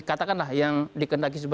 katakanlah yang dikendaki sebetulnya